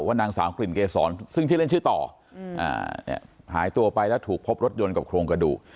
ว่านางสาวกลิ่นเกษรซึ่งที่เล่นชื่อต่ออืมอ่าเนี้ยหายตัวไปแล้วถูกพบรถยนต์กับโครงกระดูก